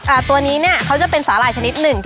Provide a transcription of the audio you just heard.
ตัวนี้เนี่ยเขาจะเป็นสาหร่ายชนิดหนึ่ง